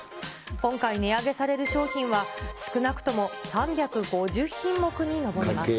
今回、値上げされる商品は少なくとも３５０品目に上ります。